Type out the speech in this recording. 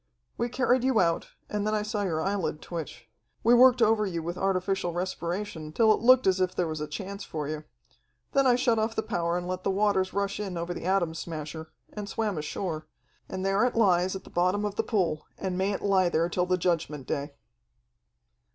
"We carried you out, and then I saw your eyelid twitch. We worked over you with artificial respiration till it looked as if there was a chance for you. Then I shut off the power and let the waters rush in over the Atom Smasher, and swam ashore. And there it lies at the bottom of the pool, and may it lie there till the Judgment Day."